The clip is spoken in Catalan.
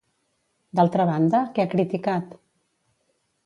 D'altra banda, què ha criticat?